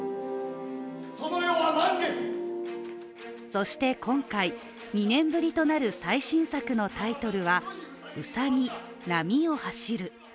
そして今回、２年ぶりとなる最新作のタイトルは「兎、波を走る」。